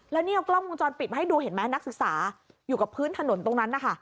แล้วนี่เอากล้องวงจรปิดมาให้ดูเห็นไหมนักศึกษาอยู่กับพื้นถนนตรงนั้นนะคะ